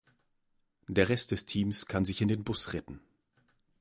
Der Rest des Teams kann sich in den Bus retten.